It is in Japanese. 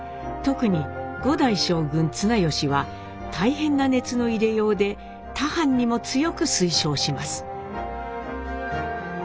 特に５代将軍綱吉は大変な熱の入れようで他藩にも強く推奨します。